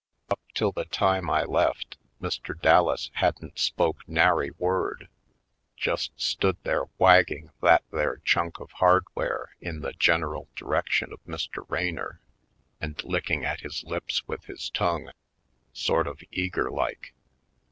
Up till the time I left, Mr. Dallas hadn't spoke nary word — just stood there wagging that there chunk of hardware in the general direction of Mr. Raynor and licking at his lips with his tongue, sort of eager like.